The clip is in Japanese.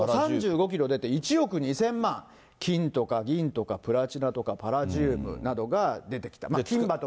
３５キロ出て、１億２０００万、金とか銀とかプラチナとかパラジウムなどが出てきた。